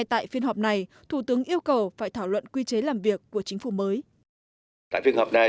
tại phiên hợp này chúng ta thảo hưởng quy chế làm việc của chính phủ mới